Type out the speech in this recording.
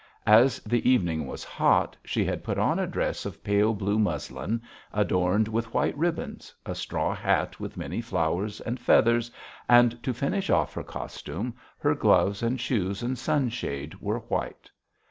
As the evening was hot, she had put on a dress of pale blue muslin adorned with white ribbons, a straw hat with many flowers and feathers, and to finish off her costume, her gloves and shoes and sunshade were white.